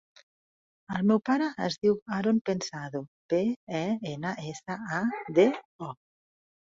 El meu pare es diu Haron Pensado: pe, e, ena, essa, a, de, o.